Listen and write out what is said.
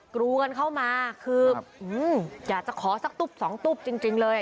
กลัวกันเข้ามาคืออยากจะขอสักตุ๊บสองตุ๊บจริงเลย